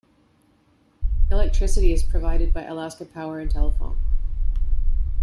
Electricity is provided by Alaska Power and Telephone.